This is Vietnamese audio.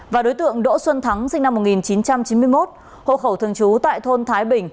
và đối tượng đỗ xuân thắng sinh năm một nghìn chín trăm chín mươi một hộ khẩu thường trú tại thôn thái bình